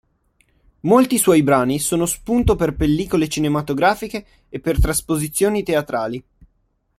Molti suoi brani sono spunto per pellicole cinematografiche e per trasposizioni teatrali.